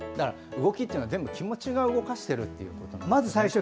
動きというのは全部、気持ちが動かしていると。